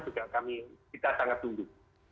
juga kami kita sangat tunggu